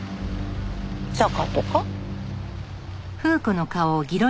チャカとか？